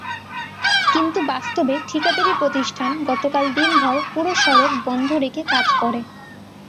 কিন্তু বাস্তবে ঠিকাদারি প্রতিষ্ঠান গতকাল দিনভর পুরো সড়ক বন্ধ রেখে কাজ করে।